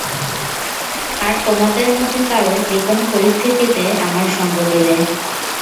আর তোমাদের মধ্যে কারা যেকোনো পরিস্থিতিতে আমার সঙ্গ দেবে!